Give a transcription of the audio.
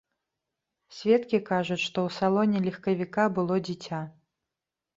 Сведкі кажуць, што ў салоне легкавіка было дзіця.